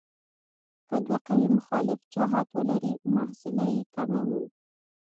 که دوه قوې مخالف جهت ولري محصله یې کموو.